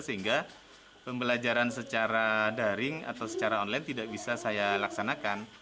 sehingga pembelajaran secara daring atau secara online tidak bisa saya laksanakan